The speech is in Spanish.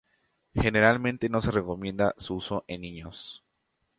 Generalmente no se recomienda su uso en niños.